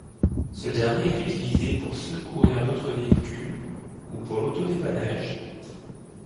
Ce dernier est utilisé pour secourir d'autres véhicule, ou pour l'auto-dépannage.